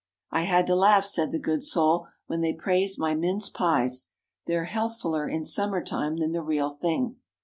"I had to laugh," said the good soul, "when they praised my mince pies. They're healthfuller in summer time than the real thing."